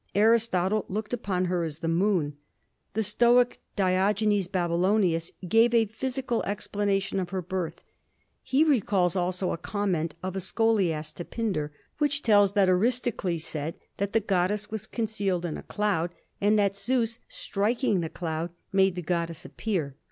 Aristotle looked upon her as the moon. The stoic Diogenes Babylonius gave a physical explanation of her birth. He recalls also a comment of a scholiast to Pindar, which tells that Aristocles said that the goddess was concealed in a cloud, and that Zeus, striking the cloud, made the goddess appear.